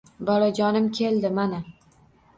Bolajonim keldi mana